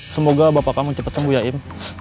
semoga bapak kamu cepat sembuh ya im